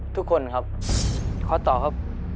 ทุกคนครับขอตอบครับ